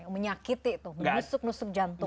menyakiti tuh menusuk nusuk jantung